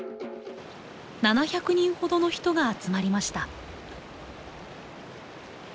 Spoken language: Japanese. ７００人ほどの人が集まりました。